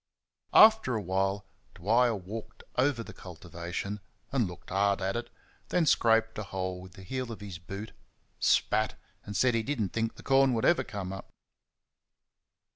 After a while Dwyer walked over the "cultivation", and looked at it hard, then scraped a hole with the heel of his boot, spat, and said he did n't think the corn would ever come up.